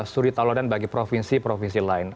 suri talodan bagi provinsi provinsi lain